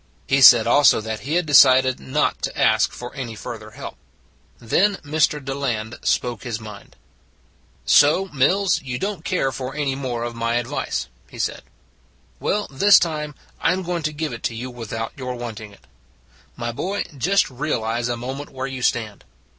He said also that he had decided not to ask for any further help. Then Mr. Deland spoke his mind : So, Mills, you don t care for any more of my advice [he said]. Well, this time I am going to give it to you without your wanting it. My boy, just realize a moment where you stand.